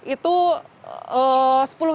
itu sepuluh rupiah